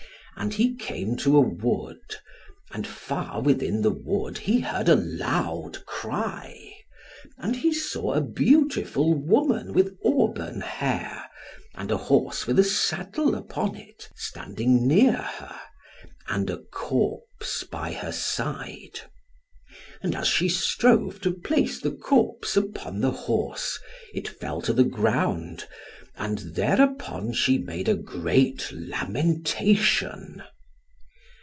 And he came to a wood, and far within the wood he heard a loud cry, and he saw a beautiful woman with auburn hair, and a horse with a saddle upon it, standing near her, and a corpse by her side. And as she strove to place the corpse upon the horse, it fell to the ground, and thereupon she made a great lamentation.